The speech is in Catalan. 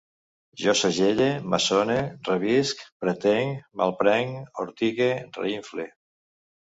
Jo segelle, maçone, revisc, pretenc, malprenc, ortigue, reinfle